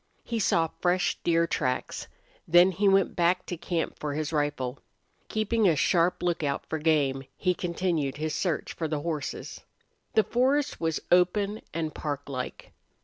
He saw fresh deer tracks. Then he went back to camp for his rifle. Keeping a sharp lookout for game, he continued his search for the horses. The forest was open and parklike.